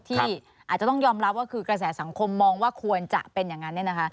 ที่อาจจะต้องยอมรับว่าคือกระแสสังคมมองว่าควรจะเป็นอย่างนั้น